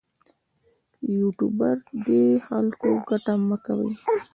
یوټوبر دې له خلکو ګټه مه کوي.